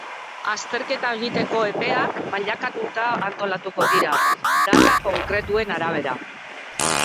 Azterketa egiteko epeak mailakatuta antolatuko dira, data konkretuen arabera.